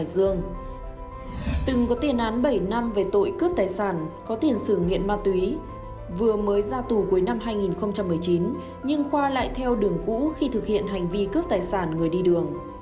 do vừa mới ra tù cuối năm hai nghìn một mươi chín nhưng khoa lại theo đường cũ khi thực hiện hành vi cướp tài sản người đi đường